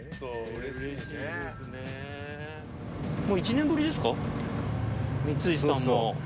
もう１年ぶりですか？